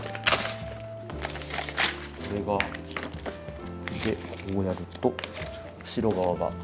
これがこうやると後ろ側が。